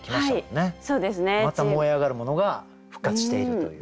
また燃え上がるものが復活しているという。